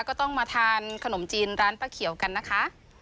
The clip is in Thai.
ก็ต้องมาทานขนมจีนร้านป้าเขียวกันนะคะ